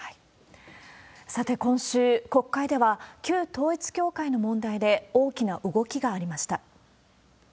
さて今週、国会では旧統一教会の問題で大きな動きがありました。